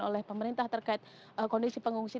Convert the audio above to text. oleh pemerintah terkait kondisi pengungsi